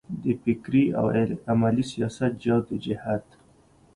د فکري او عملي سیاست جدوجهد و.